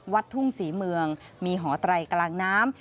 วัดทุ่งศรีเมืองมีหอไตรกลางน้ำ